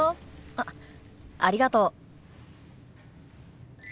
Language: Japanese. あっありがとう。